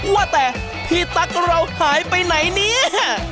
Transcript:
ว่าแต่พี่ตั๊กเราหายไปไหนเนี่ย